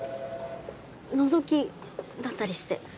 覗きだったりして。